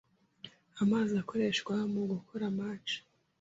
Amazi akoreshwa mugukora match.